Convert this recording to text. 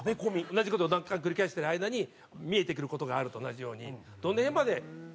同じ事を何回か繰り返してる間に見えてくる事があるのと同じようにどの辺まで。